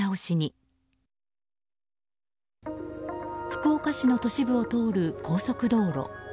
福岡市の都市部を通る高速道路。